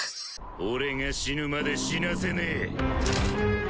俺が死ぬまで死なせねぇ。